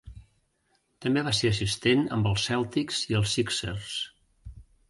També va ser assistent amb els Celtics i els Sixers.